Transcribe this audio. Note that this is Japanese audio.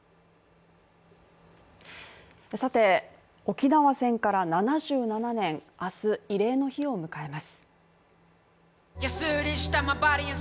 沖縄戦から７７年、明日、慰霊の日を迎えます。